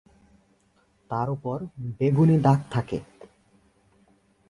তার ওপর বেগুনী দাগ থাকে।